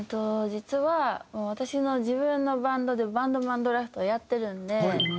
実は私の自分のバンドでバンドマンドラフトをやってるんで。